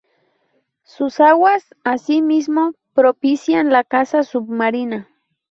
Sus aguas, asimismo, propician la caza submarina.